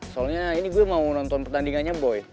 soalnya ini gue mau nonton pertandingannya boy